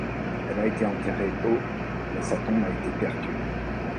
Elle a été enterrée au mais sa tombe a été perdue.